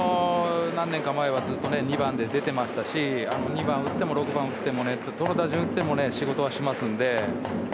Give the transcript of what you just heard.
何年か前はずっと２番で出ていましたし２番を打っても６番を打ってもどの打順を打っても仕事はしますので。